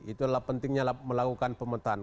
itu adalah pentingnya melakukan pemetaan